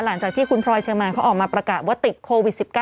หลังจากที่คุณพลอยเชอร์มานเขาออกมาประกาศว่าติดโควิด๑๙